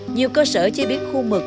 nhiều cơ sở chế biến khu mực